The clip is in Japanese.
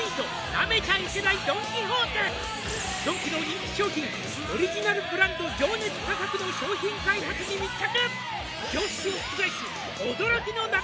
「なめちゃいけないドン・キホーテ」「ドンキの人気商品オリジナルブランド」「情熱価格の商品開発に密着」